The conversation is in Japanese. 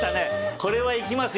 これは行きますよ。